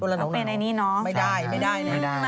ตัวละน้องไปในนี่เนาะไม่ได้